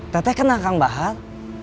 teteh kenal kang bahar